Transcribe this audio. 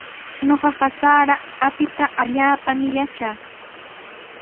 Ñuqaqa sara apita allaapami yatraa.